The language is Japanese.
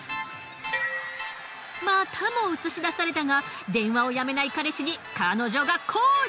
またも映し出されたが電話をやめない彼氏に彼女が抗議。